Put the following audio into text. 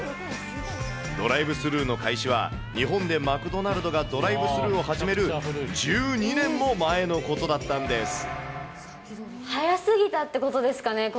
ドライブスルーの開始は、日本でマクドナルドがドライブスルーを始める１２年も前のことだ早すぎたってことですかね、